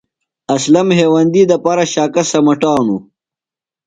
اسلم ہیوندی دپارہ شاکہ سمٹانو۔ جۡوار